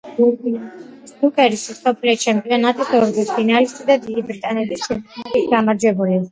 სნუკერის მსოფლიო ჩემპიონატის ორგზის ფინალისტი და დიდი ბრიტანეთის ჩემპიონატის გამარჯვებული.